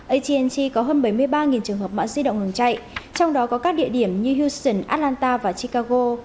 at t có hơn bảy mươi ba trường hợp mạng di động ngừng chạy trong đó có các địa điểm như houston atlanta và chicago